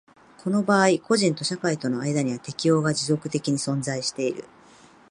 この場合個人と社会との間には適応が持続的に存在している。